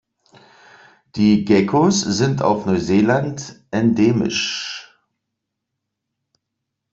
Die Geckos sind auf Neuseeland endemisch.